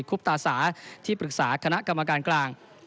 ุบตาสาที่ปรึกษาคณะกรรมการกลาง